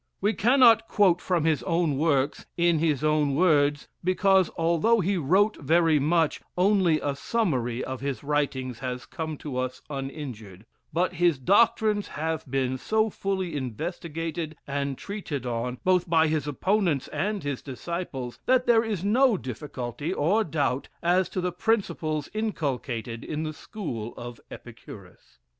We "cannot quote from his own works, in his own words, because, although he wrote very much, only a summary of his writings has come to us uninjured; but his doctrines have been so fully investigated and treated on, both by his opponents and his disciples, that there is no difficulty or doubt as to the principles inculcated in the school of Epicurus.